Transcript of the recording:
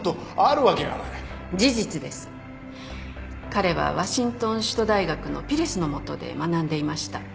彼はワシントン首都大学のピレスの下で学んでいました。